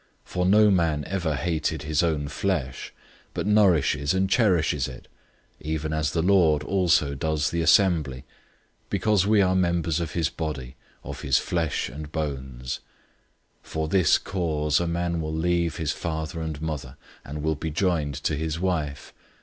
005:029 For no man ever hated his own flesh; but nourishes and cherishes it, even as the Lord also does the assembly; 005:030 because we are members of his body, of his flesh and bones. 005:031 "For this cause a man will leave his father and mother, and will be joined to his wife.